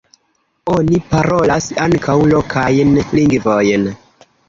Oni parolas ankaŭ lokajn lingvojn.